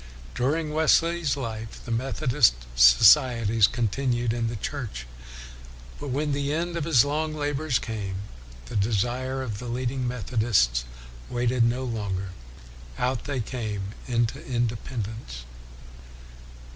During Wesley's life the Methodist societies continued in the Church, but when the end of his long labors came, the desire of the leading Methodists waited no longer. Out they came into independence.